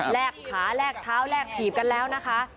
แรกขาแรกเท้าแรกผีบกันแล้วนะคะ